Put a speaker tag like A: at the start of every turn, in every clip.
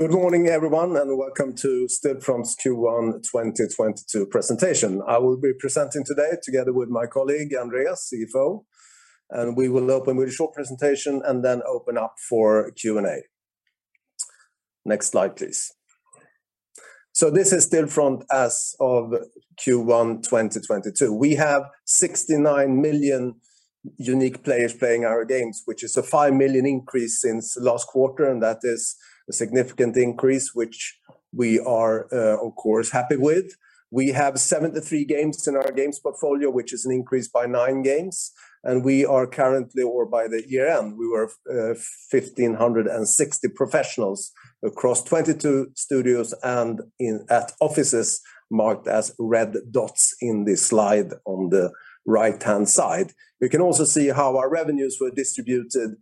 A: Good morning everyone, and welcome to Stillfront's Q1 2022 presentation. I will be presenting today together with my colleague Andreas, CFO, and we will open with a short presentation and then open up for Q&A. Next slide, please. This is Stillfront as of Q1 2022. We have 69 million unique players playing our games, which is a 5 million increase since last quarter, and that is a significant increase, which we are, of course, happy with. We have 73 games in our games portfolio, which is an increase by nine games, and by the year-end, we were 1,560 professionals across 22 studios and at offices marked as red dots in this slide on the right-hand side. You can also see how our revenues were distributed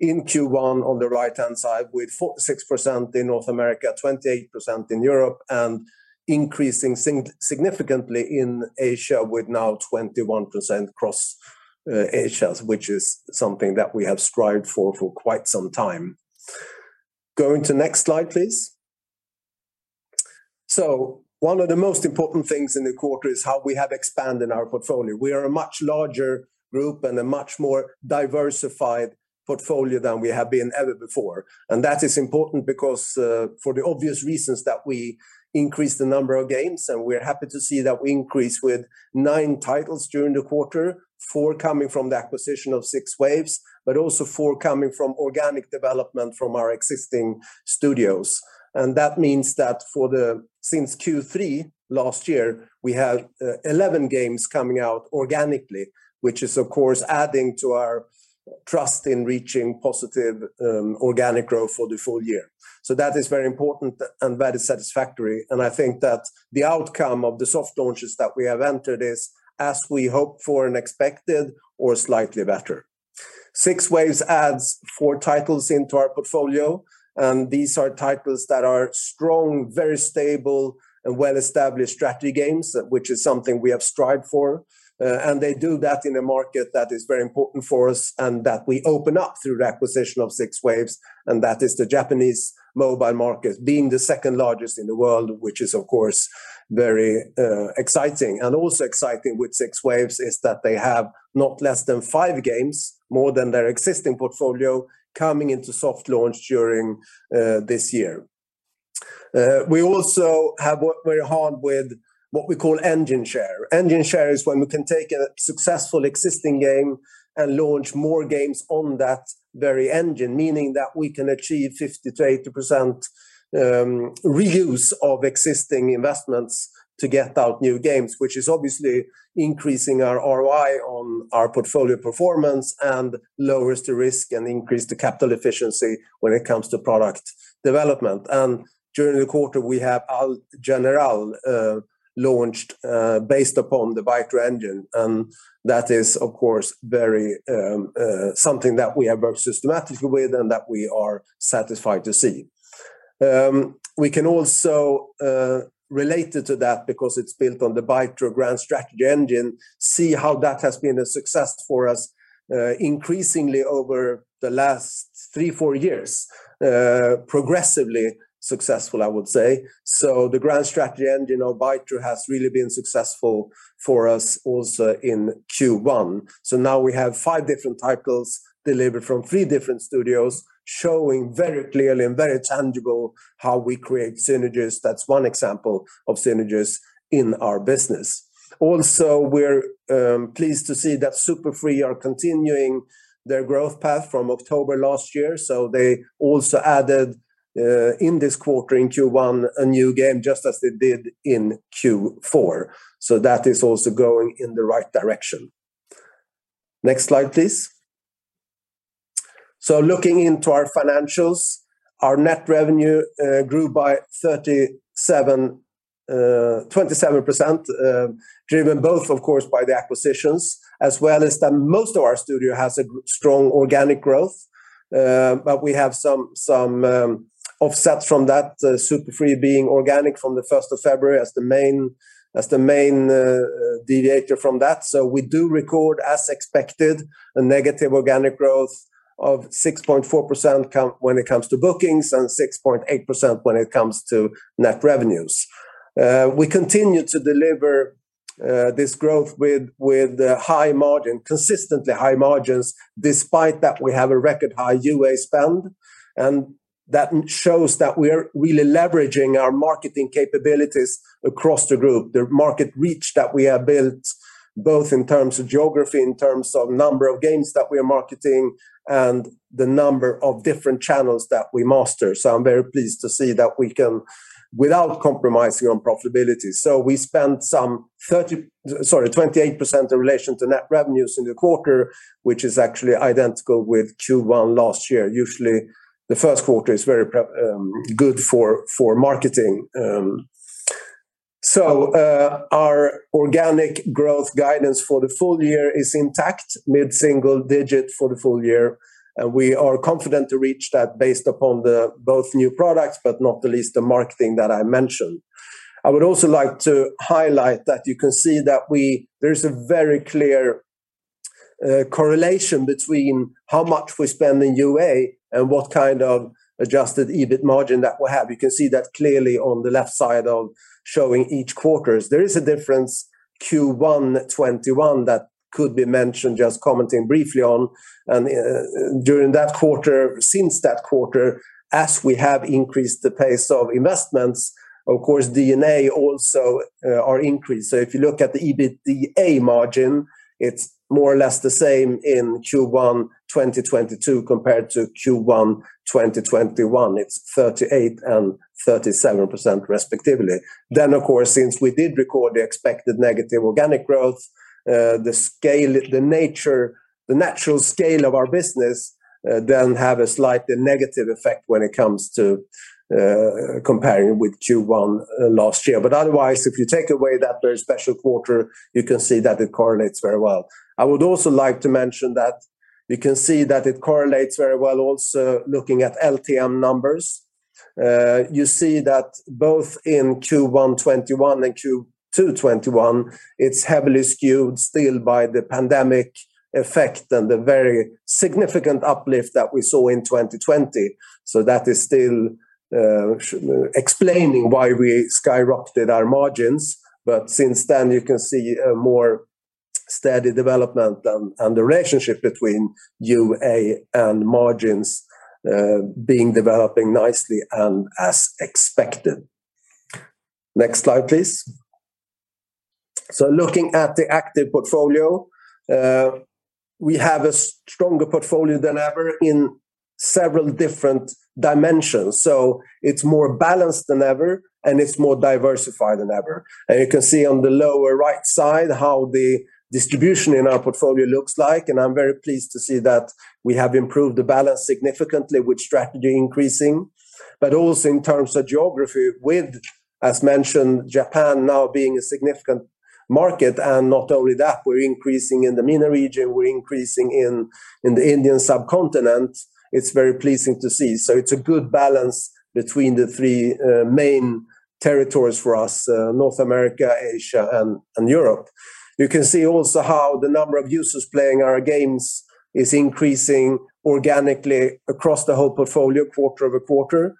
A: in Q1 on the right-hand side, with 6% in North America, 28% in Europe, and increasing significantly in Asia, with now 21% across Asia, which is something that we have strived for quite some time. Going to next slide, please. One of the most important things in the quarter is how we have expanded our portfolio. We are a much larger group and a much more diversified portfolio than we have been ever before. That is important because, for the obvious reasons that we increased the number of games, and we're happy to see that we increased with nine titles during the quarter, four coming from the acquisition of 6Waves, but also four coming from organic development from our existing studios. That means that since Q3 last year, we have 11 games coming out organically, which is of course adding to our trust in reaching positive organic growth for the full year. That is very important and very satisfactory, and I think that the outcome of the soft launches that we have entered is as we hoped for and expected or slightly better. 6Waves adds four titles into our portfolio, and these are titles that are strong, very stable, and well-established strategy games, which is something we have strived for, and they do that in a market that is very important for us and that we open up through the acquisition of 6Waves, and that is the Japanese mobile market, being the second largest in the world, which is of course very exciting. Also exciting with 6Waves is that they have not less than five games, more than their existing portfolio, coming into soft launch during this year. We also have worked very hard with what we call engine share. Engine share is when we can take a successful existing game and launch more games on that very engine, meaning that we can achieve 50%-80% reuse of existing investments to get out new games, which is obviously increasing our ROI on our portfolio performance and lowers the risk and increase the capital efficiency when it comes to product development. During the quarter, we have Al General launched based upon the Bytro engine, and that is of course very something that we have worked systematically with and that we are satisfied to see. We can also, related to that because it's built on the Bytro grand strategy engine, see how that has been a success for us, increasingly over the last three, four years, progressively successful, I would say. The grand strategy engine of Bytro has really been successful for us also in Q1. Now we have five different titles delivered from three different studios showing very clearly and very tangible how we create synergies. That's one example of synergies in our business. Also, we're pleased to see that Super Free Games are continuing their growth path from October last year. They also added, in this quarter in Q1 a new game just as they did in Q4. That is also going in the right direction. Next slide, please. Looking into our financials, our net revenue grew by 27%, driven both of course by the acquisitions as well as that most of our studios have strong organic growth, but we have some offsets from that, Super Free Games being organic from the first of February as the main deviator from that. We do record as expected a negative organic growth of 6.4% when it comes to bookings and 6.8% when it comes to net revenues. We continue to deliver this growth with high margin, consistently high margins, despite that we have a record high UA spend, and that shows that we're really leveraging our marketing capabilities across the group, the market reach that we have built, both in terms of geography, in terms of number of games that we are marketing and the number of different channels that we master. I'm very pleased to see that we can, without compromising on profitability. We spent some 30, sorry, 28% in relation to net revenues in the quarter, which is actually identical with Q1 last year. Usually, the first quarter is very good for marketing. Our organic growth guidance for the full year is intact, mid-single-digit for the full year, and we are confident to reach that based upon the both new products, but not the least the marketing that I mentioned. I would also like to highlight that you can see that there is a very clear correlation between how much we spend in UA and what kind of Adjusted EBIT margin that we'll have. You can see that clearly on the left side of showing each quarters. There is a difference Q1 2021 that could be mentioned, just commenting briefly on, and, during that quarter, since that quarter as we have increased the pace of investments, of course D&A also are increased. If you look at the EBITDA margin, it's more or less the same in Q1 2022 compared to Q1 2021. It's 38% and 37% respectively. Of course, since we did record the expected negative organic growth, the scale, the nature, the natural scale of our business, then have a slight negative effect when it comes to comparing with Q1 last year. Otherwise, if you take away that very special quarter, you can see that it correlates very well. I would also like to mention that we can see that it correlates very well also looking at LTM numbers. You see that both in Q1 2021 and Q2 2021, it's heavily skewed still by the pandemic effect and the very significant uplift that we saw in 2020. That is still explaining why we skyrocketed our margins. Since then you can see a more steady development and the relationship between UA and margins being developing nicely and as expected. Next slide, please. Looking at the active portfolio, we have a stronger portfolio than ever in several different dimensions, so it's more balanced than ever, and it's more diversified than ever. You can see on the lower right side how the distribution in our portfolio looks like, and I'm very pleased to see that we have improved the balance significantly with strategy increasing. Also in terms of geography with, as mentioned, Japan now being a significant market, and not only that, we're increasing in the MENA region, we're increasing in the Indian subcontinent. It's very pleasing to see. It's a good balance between the three main territories for us, North America, Asia, and Europe. You can see also how the number of users playing our games is increasing organically across the whole portfolio quarter-over-quarter.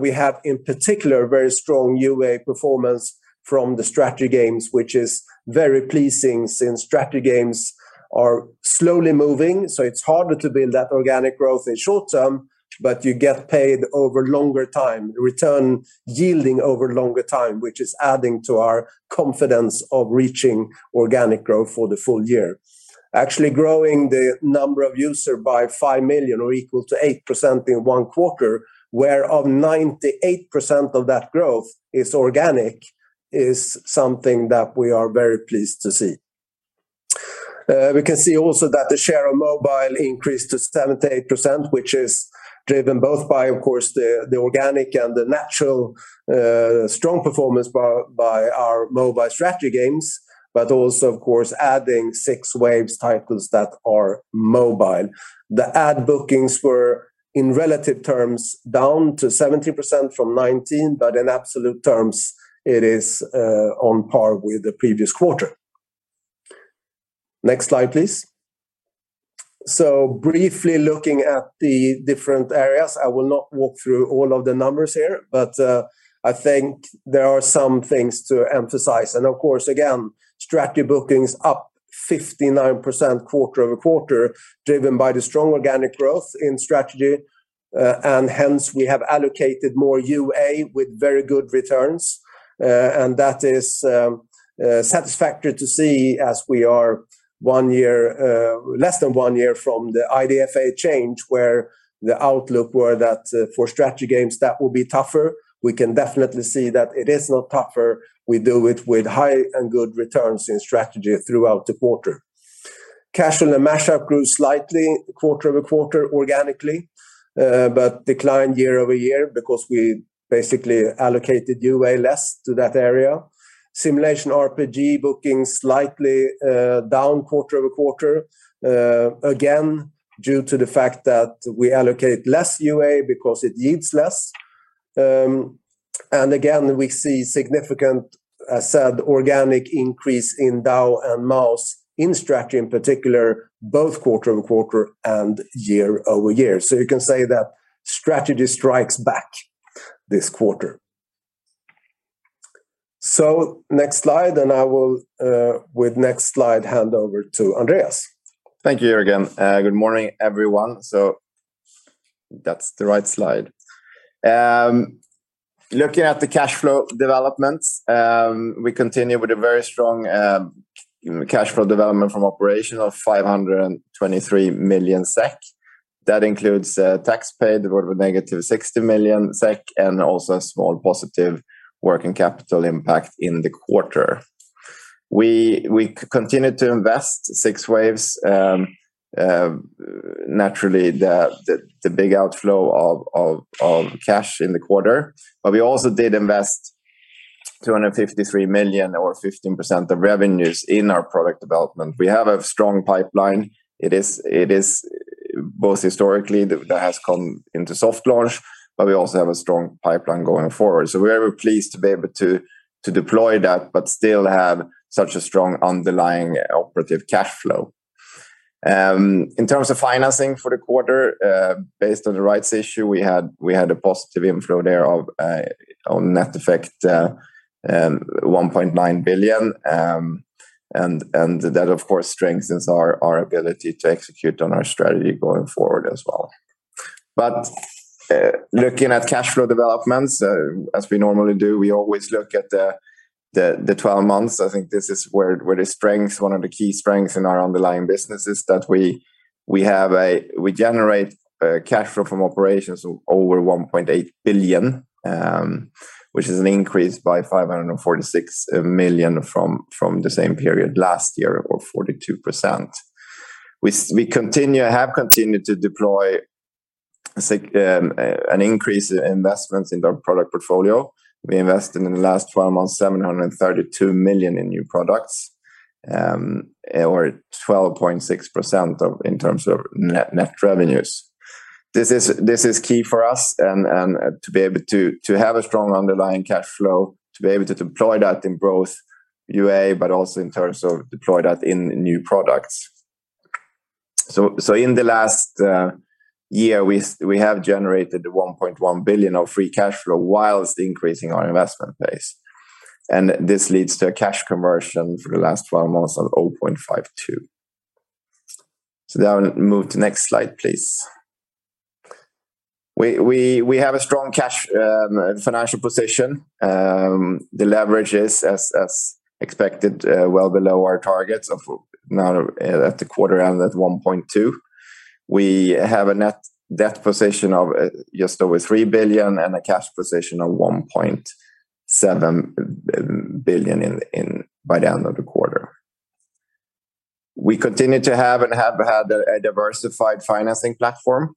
A: We have in particular very strong UA performance from the strategy games, which is very pleasing since strategy games are slowly moving, so it's harder to build that organic growth in short term, but you get paid over longer time, return yielding over longer time, which is adding to our confidence of reaching organic growth for the full year. Actually growing the number of user by 5 million or equal to 8% in one quarter, whereof 98% of that growth is organic, is something that we are very pleased to see. We can see also that the share of mobile increased to 78%, which is driven both by of course the organic and the natural strong performance by our mobile strategy games. Also of course adding 6Waves titles that are mobile. The ad bookings were in relative terms down to 70% from 19%, but in absolute terms it is on par with the previous quarter. Next slide, please. Briefly looking at the different areas, I will not walk through all of the numbers here, but I think there are some things to emphasize. Of course again, strategy bookings up 59% quarter-over-quarter, driven by the strong organic growth in strategy. Hence we have allocated more UA with very good returns. That is satisfactory to see as we are one year less than one year from the IDFA change where the outlook were that for strategy games that will be tougher. We can definitely see that it is not tougher. We do it with high and good returns in strategy throughout the quarter. Casual and match-up grew slightly quarter-over-quarter organically, but declined year-over-year because we basically allocated UA less to that area. Simulation RPG bookings slightly down quarter-over-quarter, again, due to the fact that we allocate less UA because it yields less. Again, we see significant, as said, organic increase in DAU and MAUs in strategy in particular, both quarter-over-quarter and year-over-year. You can say that strategy strikes back this quarter. Next slide, and I will, with next slide, hand over to Andreas.
B: Thank you, Jörgen. Good morning everyone. That's the right slide. Looking at the cash flow developments, we continue with a very strong cash flow development from operation of 523 million SEK. That includes tax paid, about -60 million SEK, and also a small positive working capital impact in the quarter. We continue to invest 6waves, naturally the big outflow of cash in the quarter. But we also did invest 253 million or 15% of revenues in our product development. We have a strong pipeline. It is both historically that has come into soft launch, but we also have a strong pipeline going forward. We are pleased to be able to deploy that, but still have such a strong underlying operative cash flow. In terms of financing for the quarter, based on the rights issue we had, we had a positive inflow there of, on net effect, 1.9 billion. That of course strengthens our ability to execute on our strategy going forward as well. Looking at cash flow developments, as we normally do, we always look at the twelve months. I think this is where the strength, one of the key strengths in our underlying business is that we generate cash flow from operations of over 1.8 billion, which is an increase by 546 million from the same period last year or 42%. We have continued to deploy an increase in investments in our product portfolio. We invested in the last 12 months 732 million in new products, or 12.6% in terms of net revenues. This is key for us and to be able to have a strong underlying cash flow, to be able to deploy that in both UA but also in terms of deploy that in new products. In the last year we have generated 1.1 billion of free cash flow whilst increasing our investment base. This leads to a cash conversion for the last 12 months of 0.52. Move to next slide, please. We have a strong cash financial position. The leverage is as expected, well below our targets of now at the quarter end at 1.2. We have a net debt position of just over 3 billion and a cash position of 1.7 billion by the end of the quarter. We continue to have and have had a diversified financing platform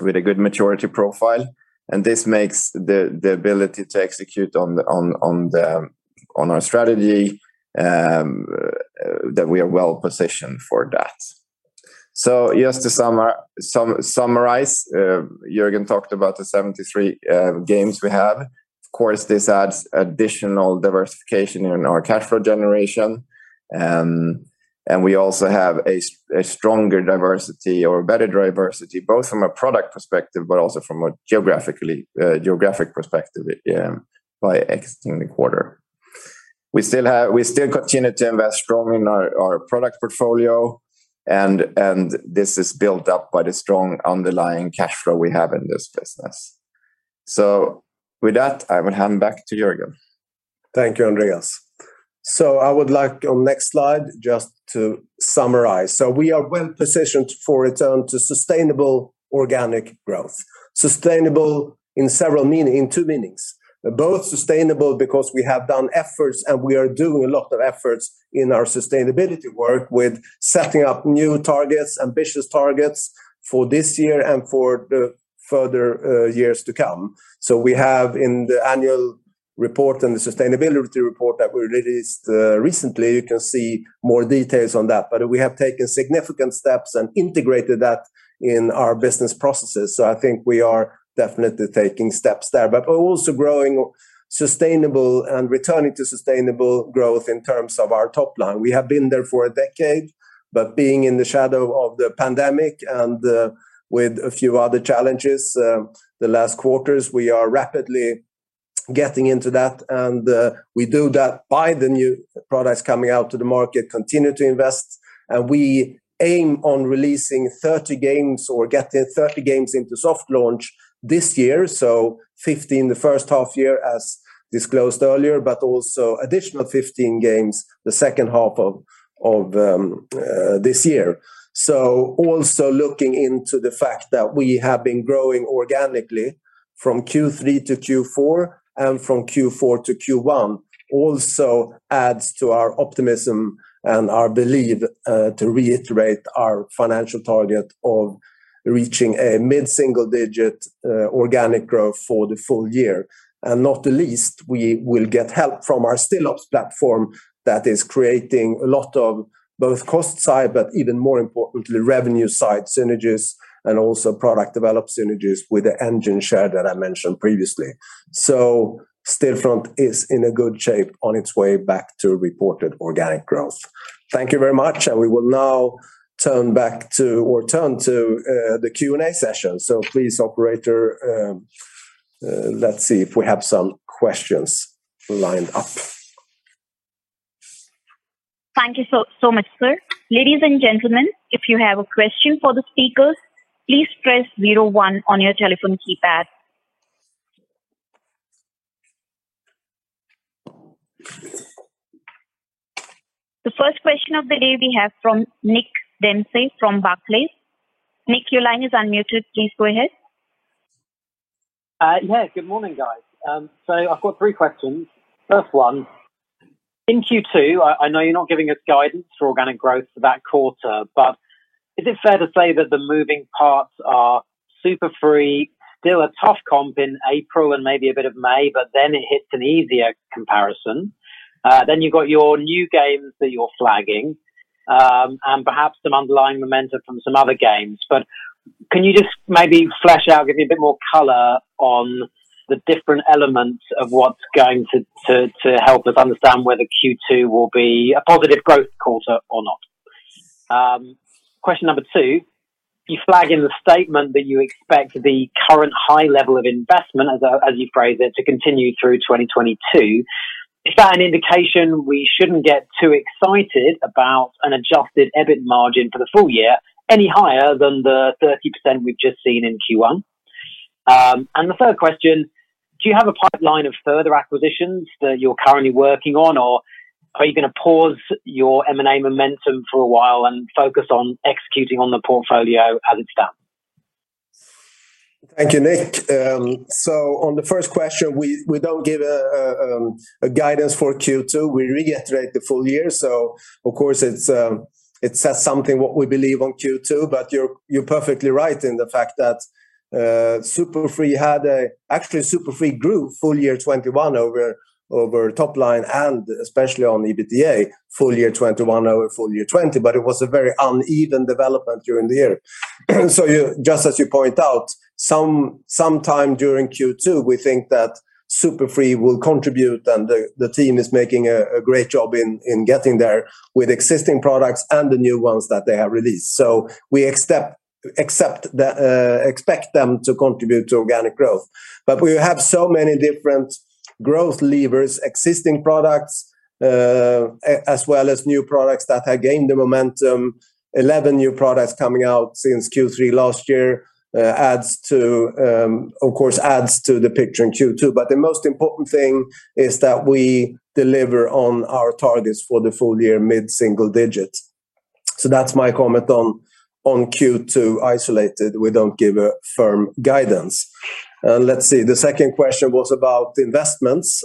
B: with a good maturity profile, and this makes the ability to execute on our strategy that we are well positioned for that. Just to summarize, Jörgen talked about the 73 games we have. Of course, this adds additional diversification in our cash flow generation. We also have a stronger diversity or better diversity, both from a product perspective but also from a geographic perspective, by exiting the quarter. We still continue to invest strong in our product portfolio and this is built up by the strong underlying cash flow we have in this business. With that, I will hand back to Jörgen.
A: Thank you, Andreas. I would like on next slide just to summarize. We are well positioned for return to sustainable organic growth. Sustainable in two meanings. Both sustainable because we have done efforts and we are doing a lot of efforts in our sustainability work with setting up new targets, ambitious targets for this year and for the further years to come. We have in the annual report and the sustainability report that we released recently, you can see more details on that. We have taken significant steps and integrated that in our business processes, so I think we are definitely taking steps there. We're also growing sustainable and returning to sustainable growth in terms of our top line. We have been there for a decade, but being in the shadow of the pandemic and with a few other challenges the last quarters, we are rapidly getting into that, and we do that by the new products coming out to the market, continue to invest. We aim on releasing 30 games or getting 30 games into soft launch this year. 15 the first half year as disclosed earlier, but also additional 15 games the second half of this year. Also looking into the fact that we have been growing organically from Q3 to Q4 and from Q4 to Q1 also adds to our optimism and our belief to reiterate our financial target of reaching a mid-single digit organic growth for the full year. Not the least, we will get help from our StilOps platform that is creating a lot of both cost side, but even more importantly, revenue side synergies and also product development synergies with the engine share that I mentioned previously. Stillfront is in a good shape on its way back to reported organic growth. Thank you very much, and we will now turn to the Q&A session. Please, operator, let's see if we have some questions lined up.
C: Thank you so much, sir. Ladies and gentlemen, if you have a question for the speakers, please press zero one on your telephone keypad. The first question of the day we have from Nick Dempsey from Barclays. Nick, your line is unmuted. Please go ahead.
D: Yeah, good morning, guys. So I've got three questions. First one, in Q2, I know you're not giving us guidance for organic growth for that quarter, but is it fair to say that the moving parts are Super Free, still a tough comp in April and maybe a bit of May, but then it hits an easier comparison? Then you've got your new games that you're flagging, and perhaps some underlying momentum from some other games. Can you just maybe flesh out, give me a bit more color on the different elements of what's going to help us understand whether Q2 will be a positive growth quarter or not? Question number two, you flag in the statement that you expect the current high level of investment, as you phrase it, to continue through 2022. Is that an indication we shouldn't get too excited about an Adjusted EBIT margin for the full year any higher than the 30% we've just seen in Q1? The third question, do you have a pipeline of further acquisitions that you're currently working on, or are you gonna pause your M&A momentum for a while and focus on executing on the portfolio as it stands?
A: Thank you, Nick. On the first question, we don't give a guidance for Q2. We reiterate the full year, so of course it says something what we believe on Q2, but you're perfectly right in the fact that actually Super Free Games grew full year 2021 over top line and especially on EBITDA, full year 2021 over full year 2020, but it was a very uneven development during the year. Just as you point out, sometime during Q2, we think that Super Free Games will contribute, and the team is making a great job in getting there with existing products and the new ones that they have released. We expect them to contribute to organic growth. We have so many different growth levers, existing products, as well as new products that have gained the momentum. 11 new products coming out since Q3 last year adds to, of course, the picture in Q2. The most important thing is that we deliver on our targets for the full year mid-single-digit. That's my comment on Q2 isolated. We don't give a firm guidance. Let's see. The second question was about investments.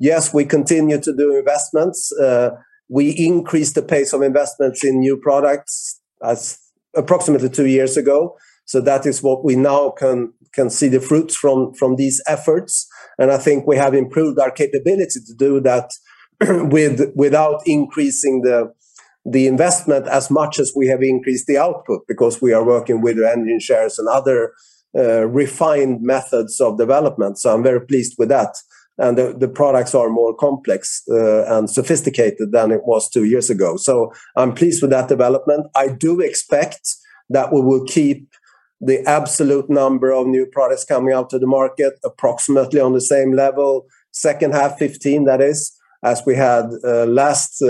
A: Yes, we continue to do investments. We increased the pace of investments in new products about two years ago. That is what we now can see the fruits from these efforts, and I think we have improved our capability to do that without increasing the investment as much as we have increased the output because we are working with Engine shares and other refined methods of development. I'm very pleased with that. The products are more complex and sophisticated than it was two years ago. I'm pleased with that development. I do expect that we will keep the absolute number of new products coming out to the market approximately on the same level, second half 2015 that is, as we had last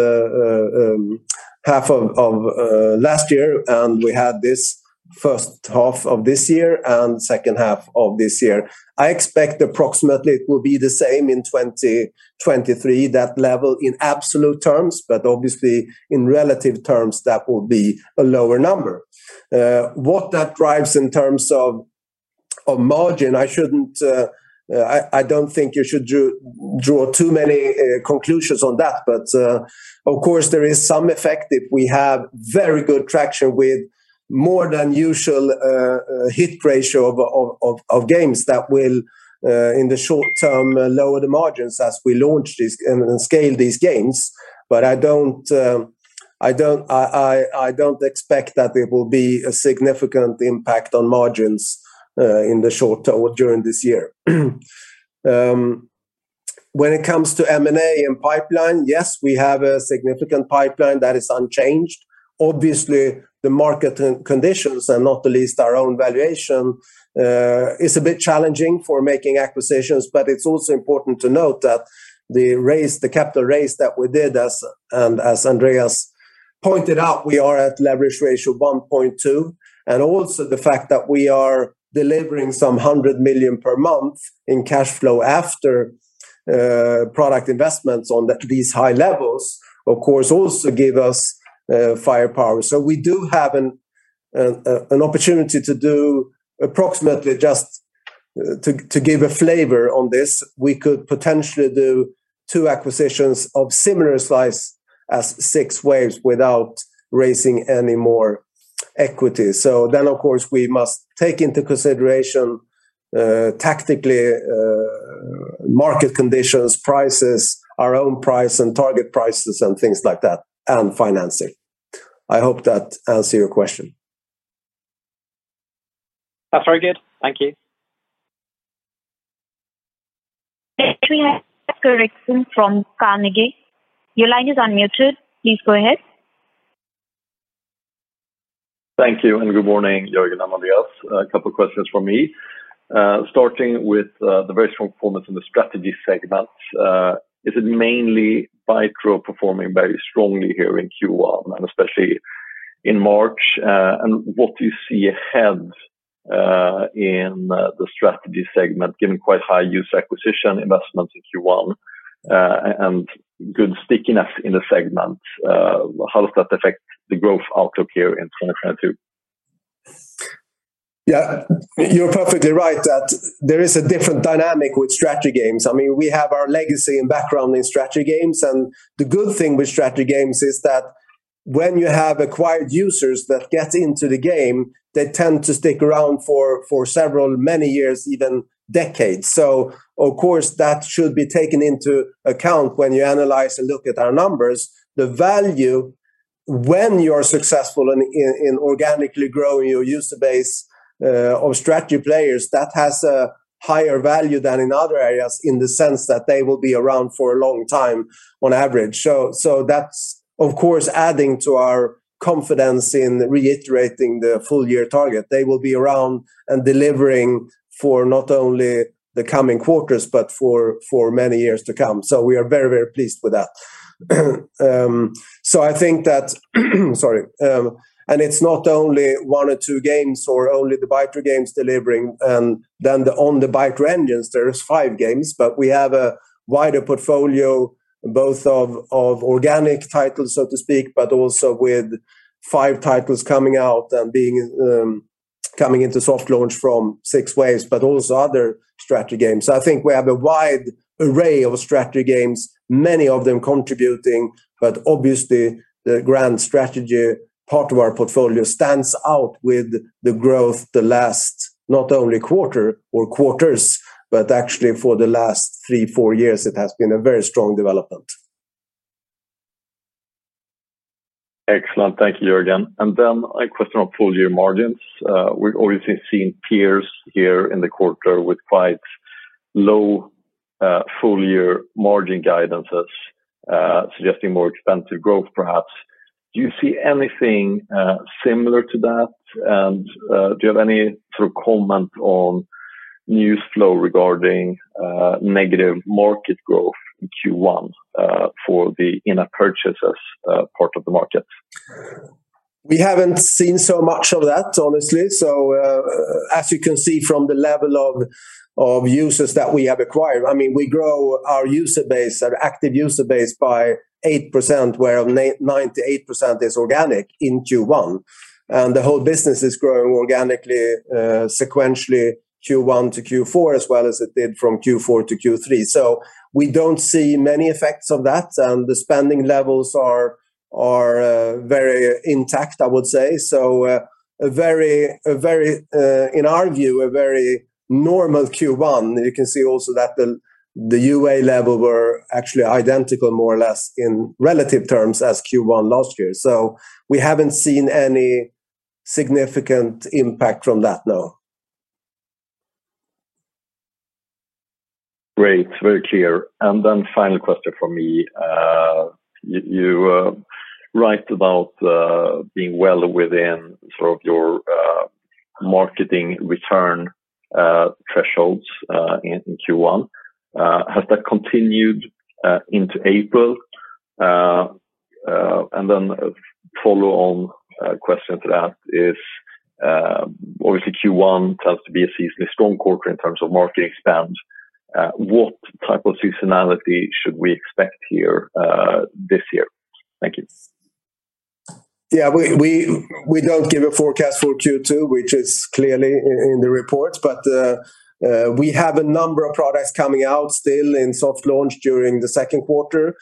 A: half of last year, and we had this first half of this year and second half of this year. I expect approximately it will be the same in 2023, that level in absolute terms, but obviously in relative terms that will be a lower number. What that drives in terms of margin, I don't think you should draw too many conclusions on that. Of course, there is some effect if we have very good traction with more than usual hit ratio of games that will in the short term lower the margins as we launch these and scale these games. I don't expect that there will be a significant impact on margins in the short term or during this year. When it comes to M&A and pipeline, yes, we have a significant pipeline that is unchanged. Obviously, the market conditions and not the least our own valuation is a bit challenging for making acquisitions, but it's also important to note that the raise, the capital raise that we did as Andreas pointed out, we are at leverage ratio 1.2, and also the fact that we are delivering some 100 million per month in cash flow after product investments on these high levels, of course, also give us firepower. We do have an opportunity to do approximately just to give a flavor on this, we could potentially do two acquisitions of similar size as 6Waves without raising any more equity. Of course, we must take into consideration tactically market conditions, prices, our own price and target prices and things like that, and financing. I hope that answers your question.
D: That's very good. Thank you.
C: Next we have Erik Sjöström from Carnegie. Your line is unmuted. Please go ahead.
E: Thank you, and good morning, Jörgen and Andreas. A couple of questions from me. Starting with the very strong performance in the strategy segment. Is it mainly Bytro engine performing very strongly here in Q1 and especially in March? And what do you see ahead in the strategy segment, given quite high user acquisition investments in Q1, and good stickiness in the segment? How does that affect the growth outlook here in 2022?
A: Yeah. You're perfectly right that there is a different dynamic with strategy games. I mean, we have our legacy and background in strategy games, and the good thing with strategy games is that when you have acquired users that get into the game, they tend to stick around for several, many years, even decades. So of course, that should be taken into account when you analyze and look at our numbers. The value when you are successful in organically growing your user base of strategy players, that has a higher value than in other areas in the sense that they will be around for a long time on average. So that's of course adding to our confidence in reiterating the full year target. They will be around and delivering for not only the coming quarters, but for many years to come. We are very, very pleased with that. I think that it's not only one or two games or only the Bytro games delivering on the Bytro engines there are five games, but we have a wider portfolio both of organic titles, so to speak, but also with five titles coming out and coming into soft launch from 6Waves, but also other strategy games. I think we have a wide array of strategy games, many of them contributing. Obviously the grand strategy part of our portfolio stands out with the growth the last not only quarter or quarters, but actually for the last three, four years, it has been a very strong development.
E: Excellent. Thank you, Jörgen. A question on full year margins. We're obviously seeing peers here in the quarter with quite low full year margin guidances, suggesting more expensive growth perhaps. Do you see anything similar to that? Do you have any sort of comment on news flow regarding negative market growth in Q1 for the in-app purchases part of the market?
A: We haven't seen so much of that honestly. As you can see from the level of users that we have acquired, I mean, we grow our user base, our active user base by 8%, where 98% is organic in Q1, and the whole business is growing organically, sequentially Q1 to Q4, as well as it did from Q4 to Q3. We don't see many effects of that. The spending levels are very intact, I would say. In our view, a very normal Q1. You can see also that the UA level were actually identical more or less in relative terms as Q1 last year. We haven't seen any significant impact from that, no.
E: Great. Very clear. Final question from me. You write about being well within sort of your marketing return thresholds in Q1. Has that continued into April? A follow-on question to that is, obviously Q1 tends to be a seasonally strong quarter in terms of marketing spend. What type of seasonality should we expect here this year? Thank you.
A: Yeah, we don't give a forecast for Q2, which is clearly in the report, but we have a number of products coming out still in soft launch during the second quarter.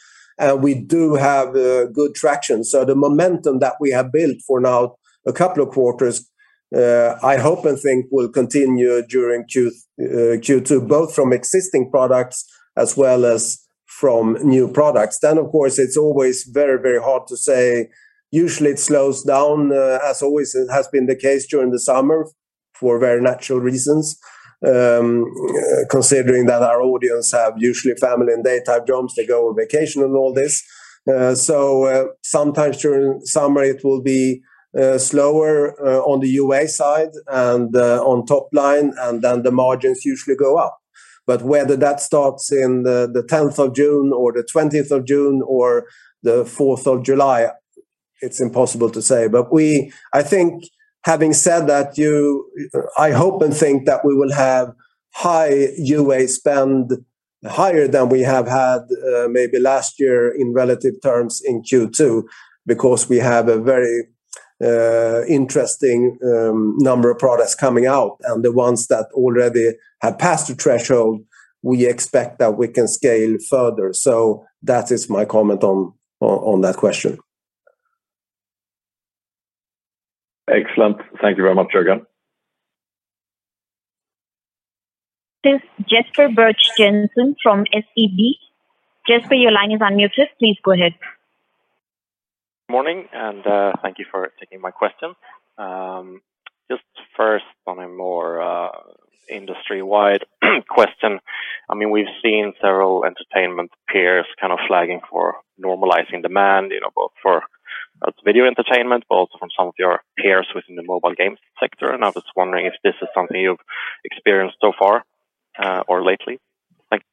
A: We do have good traction. The momentum that we have built for now a couple of quarters, I hope and think will continue during Q2, both from existing products as well as from new products. Of course, it's always very, very hard to say. Usually it slows down, as always it has been the case during the summer for very natural reasons, considering that our audience have usually family and daytime jobs, they go on vacation and all this. Sometimes during summer it will be slower on the UA side and on top line, and then the margins usually go up. Whether that starts in the 10th of June or the 20th of June or the 4th of July, it's impossible to say. I think having said that, I hope and think that we will have high UA spend higher than we have had, maybe last year in relative terms in Q2, because we have a very interesting number of products coming out, and the ones that already have passed the threshold, we expect that we can scale further. That is my comment on that question.
E: Excellent. Thank you very much, Jörgen.
C: This is Jesper Birch-Jensen from SEB. Jesper, your line is unmuted. Please go ahead.
F: Morning, thank you for taking my question. Just first on a more industry-wide question. I mean, we've seen several entertainment peers kind of flagging for normalizing demand, you know, both for video entertainment, but also from some of your peers within the mobile game sector. I was wondering if this is something you've experienced so far or lately. Thank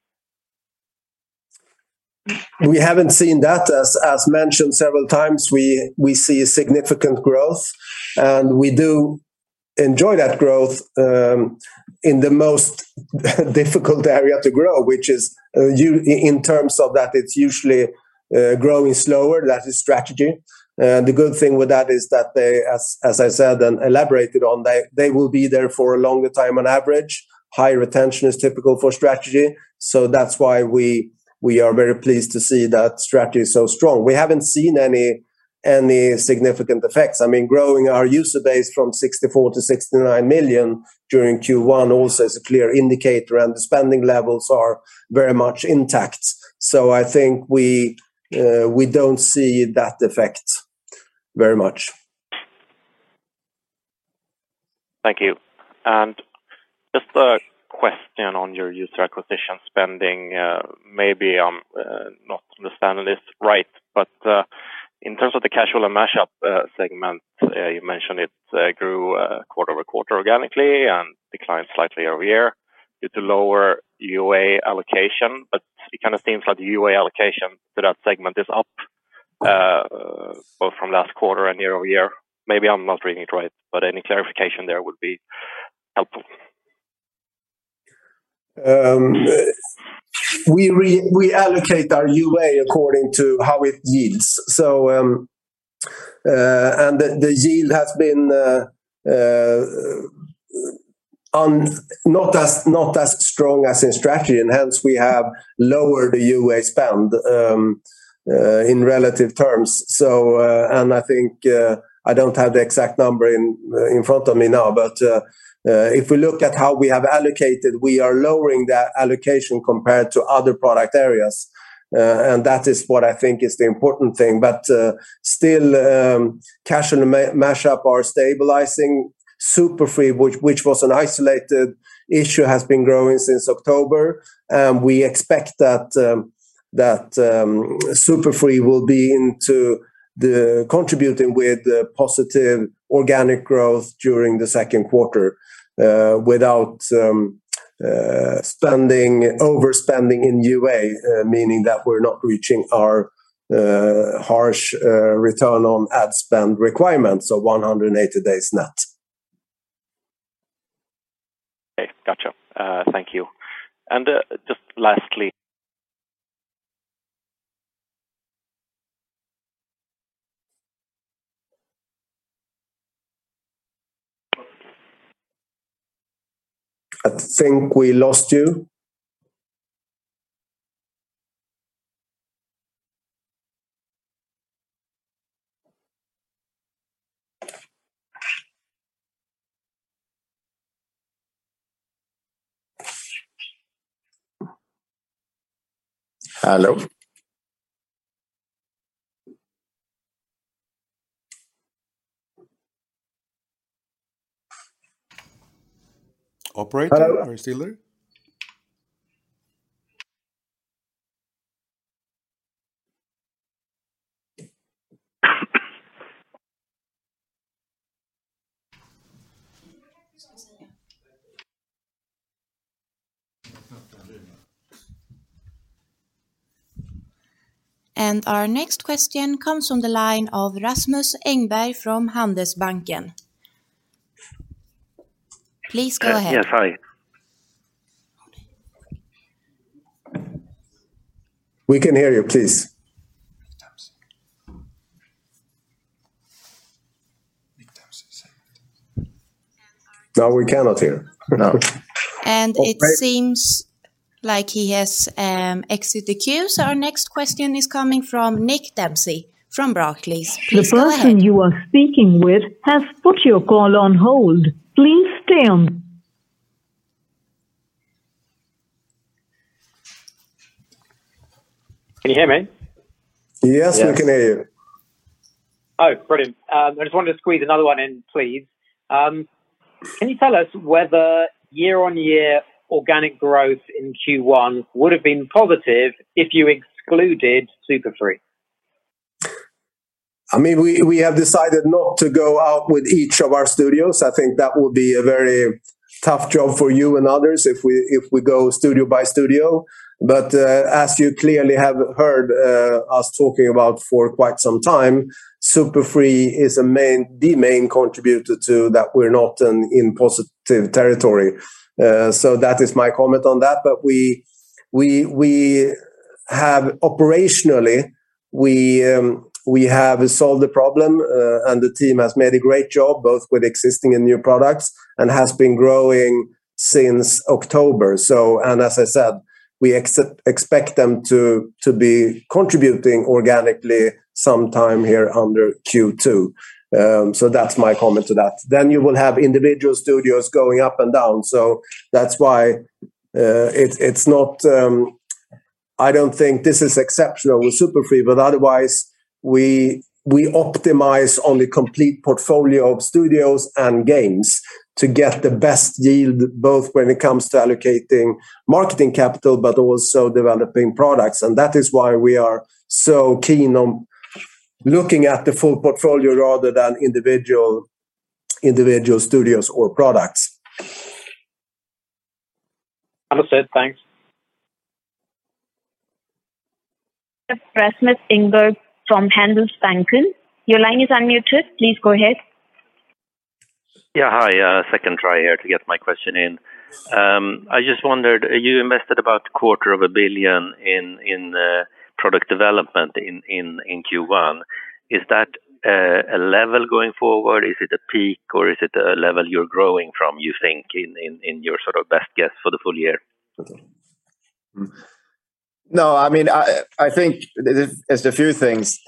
F: you.
A: We haven't seen that. As mentioned several times, we see significant growth, and we do enjoy that growth in the most difficult area to grow, which is in terms of that it's usually growing slower, that is strategy. The good thing with that is that they, as I said and elaborated on, they will be there for a longer time on average. High retention is typical for strategy, so that's why we are very pleased to see that strategy is so strong. We haven't seen any significant effects. I mean, growing our user base from 64 million-69 million during Q1 also is a clear indicator, and the spending levels are very much intact. I think we don't see that effect very much.
F: Thank you. Just a question on your user acquisition spending, maybe I'm not understanding this right, but in terms of the casual and mash-up segment, you mentioned it grew quarter-over-quarter organically and declined slightly year-over-year due to lower UA allocation. It kinda seems like the UA allocation to that segment is up both from last quarter and year-over-year. Maybe I'm not reading it right, but any clarification there would be helpful.
A: We allocate our UA according to how it yields. The yield has been not as strong as in Strategy, and hence we have lowered the UA spend in relative terms. I think I don't have the exact number in front of me now, but if we look at how we have allocated, we are lowering that allocation compared to other product areas, and that is what I think is the important thing. Still, casual and mash-up are stabilizing. SuperFree, which was an isolated issue, has been growing since October. We expect that Super Free Games will be contributing with positive organic growth during the second quarter, without overspending in UA, meaning that we're not reaching our harsh return on ad spend requirements of 180 days net.
F: Okay. Gotcha. Thank you. Just lastly.
A: I think we lost you. Hello? Operator.
F: Hello.
A: Are you still there?
C: Our next question comes from the line of Rasmus Engberg from Handelsbanken. Please go ahead.
G: Yes, hi.
A: We can hear you. Please. No, we cannot hear. No.
C: It seems like he has exited the queue, so our next question is coming from Nick Dempsey from Barclays. Please go ahead. The person you are speaking with has put your call on hold. Please stay on.
D: Can you hear me?
A: Yes, we can hear you.
D: Oh, brilliant. I just wanted to squeeze another one in, please. Can you tell us whether year-on-year organic growth in Q1 would have been positive if you excluded Super Free Games?
A: I mean, we have decided not to go out with each of our studios. I think that would be a very tough job for you and others if we go studio by studio. As you clearly have heard us talking about for quite some time, Super Free Games is the main contributor to that we're not in positive territory. That is my comment on that. We have operationally solved the problem, and the team has made a great job both with existing and new products and has been growing since October. As I said, we expect them to be contributing organically sometime here under Q2. That's my comment to that. You will have individual studios going up and down. That's why it's not. I don't think this is exceptional with Super Free Games. Otherwise we optimize on the complete portfolio of studios and games to get the best yield, both when it comes to allocating marketing capital but also developing products. That is why we are so keen on looking at the full portfolio rather than individual studios or products.
D: Understood. Thanks.
C: Rasmus Engberg from Handelsbanken, your line is unmuted. Please go ahead.
G: Yeah, hi. Second try here to get my question in. I just wondered, you invested about a quarter of a billion SEK in product development in Q1. Is that a level going forward? Is it a peak, or is it a level you're growing from, you think, in your sort of best guess for the full year?
B: No, I mean, I think it's a few things.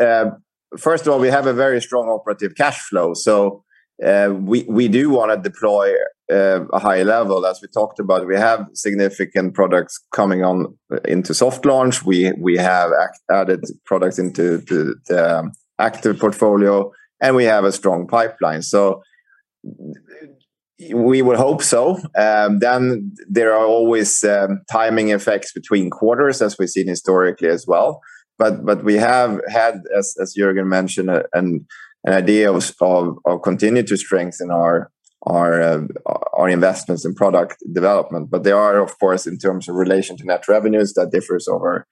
B: First of all, we have a very strong operating cash flow, so we do wanna deploy a high level as we talked about. We have significant products coming on into soft launch. We have added products into the active portfolio, and we have a strong pipeline. We would hope so. There are always timing effects between quarters as we've seen historically as well. We have had as Jörgen mentioned, an idea of continuing to strengthen our investments in product development. There are of course in terms of relation to net revenues that differs over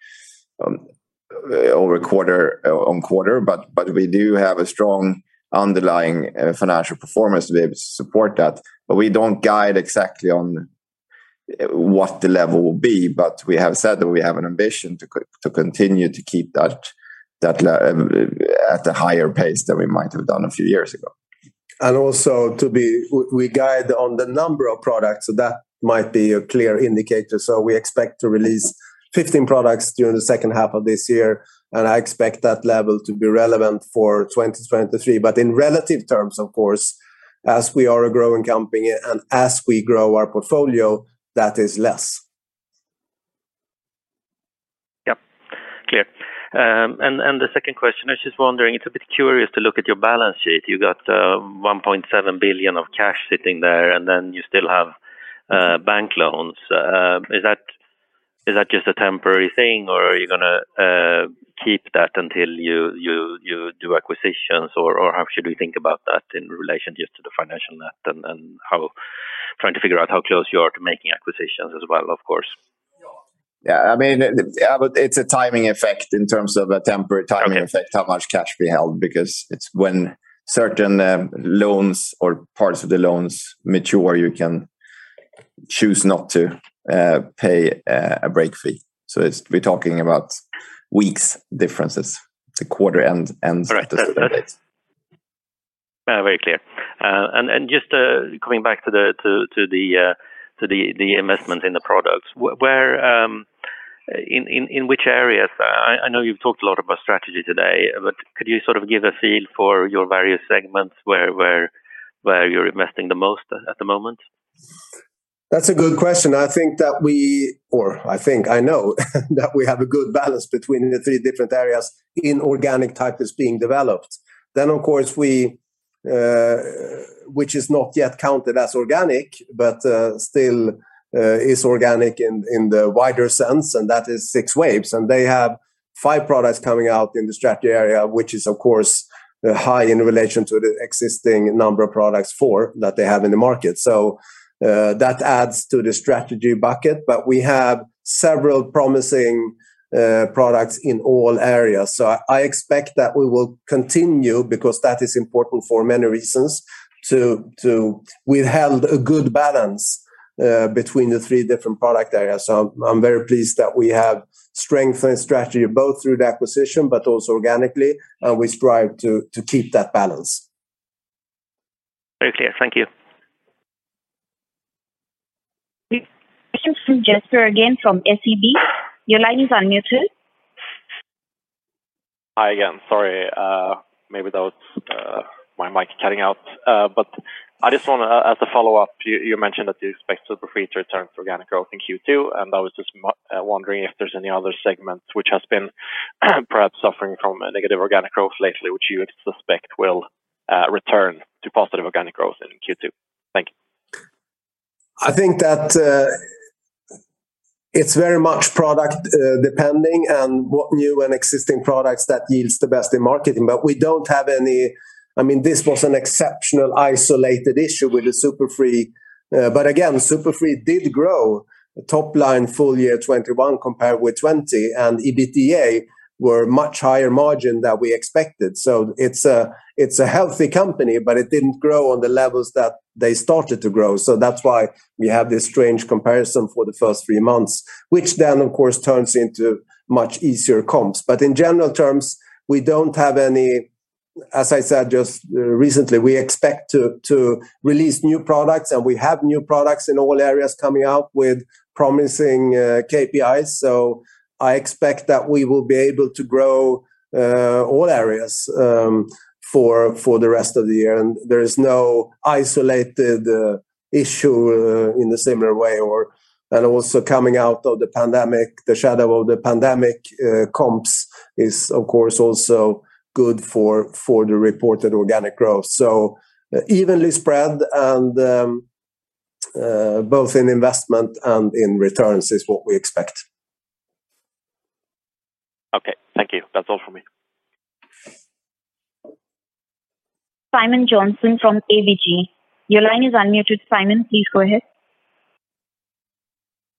B: quarter on quarter, but we do have a strong underlying financial performance to be able to support that. We don't guide exactly on what the level will be, but we have said that we have an ambition to continue to keep that level at the higher pace than we might have done a few years ago.
A: We guide on the number of products, so that might be a clear indicator. We expect to release 15 products during the second half of this year, and I expect that level to be relevant for 2023. In relative terms, of course, as we are a growing company and as we grow our portfolio, that is less.
G: Yep. Clear. The second question, I was just wondering, it's a bit curious to look at your balance sheet. You got 1.7 billion of cash sitting there, and then you still have bank loans. Is that just a temporary thing, or are you gonna keep that until you do acquisitions? Or how should we think about that in relation just to the financial net and how. Trying to figure out how close you are to making acquisitions as well, of course.
B: Yeah. I mean, it's a timing effect in terms of a temporary timing effect.
G: Okay.
B: how much cash we held because it's when certain loans or parts of the loans mature, you can choose not to pay a break fee. We're talking about weeks differences to quarter end, ends.
G: Correct.
B: to start dates.
G: Very clear. Just coming back to the investment in the products, where in which areas? I know you've talked a lot about strategy today, but could you sort of give a feel for your various segments where you're investing the most at the moment?
A: That's a good question. I know that we have a good balance between the three different areas in organic titles being developed. Of course we, which is not yet counted as organic, but still is organic in the wider sense, and that is 6Waves, and they have five products coming out in the strategy area, which is of course high in relation to the existing number of products four that they have in the market. That adds to the strategy bucket, but we have several promising products in all areas. I expect that we will continue because that is important for many reasons. We've held a good balance between the three different product areas. I'm very pleased that we have strengthened strategy both through the acquisition but also organically, and we strive to keep that balance.
G: Very clear. Thank you.
C: We have Jesper again from SEB. Your line is unmuted.
F: Hi again. Sorry, maybe that was my mic cutting out. I just wanna as a follow-up, you mentioned that you expect Super Free Games to return to organic growth in Q2, and I was just wondering if there's any other segments which has been perhaps suffering from a negative organic growth lately, which you suspect will return to positive organic growth in Q2. Thank you.
A: I think that, it's very much product, depending on what new and existing products that yields the best in marketing. We don't have any. I mean, this was an exceptional isolated issue with the SuperFree. Again, SuperFree did grow top line full year 2021 compared with 2020, and EBITDA were much higher margin than we expected. It's a healthy company, but it didn't grow on the levels that they started to grow. That's why we have this strange comparison for the first three months, which then of course turns into much easier comps. In general terms, we don't have any. As I said just recently, we expect to release new products, and we have new products in all areas coming out with promising KPIs. I expect that we will be able to grow all areas for the rest of the year, and there is no isolated issue in the similar way. Also coming out of the pandemic, the shadow of the pandemic, comps is of course also good for the reported organic growth. Evenly spread and both in investment and in returns is what we expect.
F: Okay, thank you. That's all from me.
C: Simon Jönsson from ABG. Your line is unmuted. Simon, please go ahead.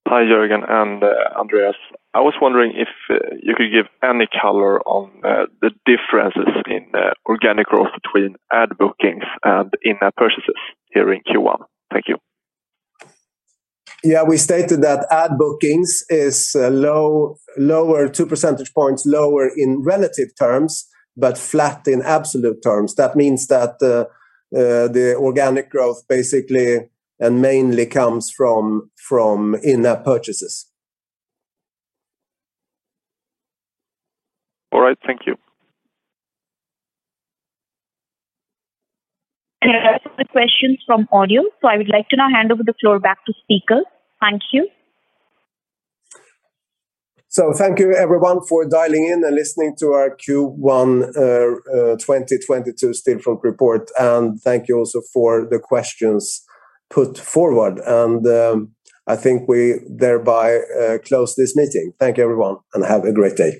H: Hi, Jörgen and Andreas. I was wondering if you could give any color on the differences in organic growth between ad bookings and in-app purchases here in Q1. Thank you.
A: Yeah. We stated that ad bookings is lower, 2 percentage points lower in relative terms, but flat in absolute terms. That means that the organic growth basically and mainly comes from in-app purchases.
H: All right. Thank you.
C: That's all the questions from audio. I would like to now hand over the floor back to speaker. Thank you.
A: Thank you everyone for dialing in and listening to our Q1 2022 Stillfront report, and thank you also for the questions put forward. I think we thereby close this meeting. Thank you everyone, and have a great day.